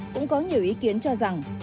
cũng có nhiều ý kiến cho rằng